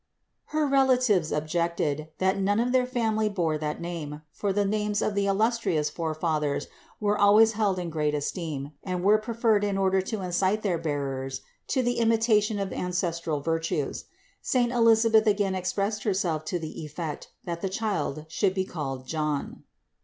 Her relatives objected, that none of their family bore that name; for the names of illustrious forefathers were always held in great esteem, and were preferred in order to incite their bearers to the imitation of ancestral virtues. Saint Elisa beth again expressed herself to the effect, that the child should be called John.